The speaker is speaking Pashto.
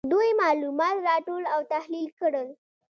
دوی معلومات راټول او تحلیل کړل.